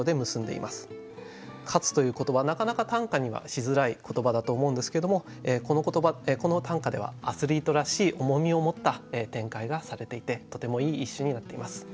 なかなか短歌にはしづらい言葉だと思うんですけどもこの言葉この短歌ではアスリートらしい重みを持った展開がされていてとてもいい一首になっています。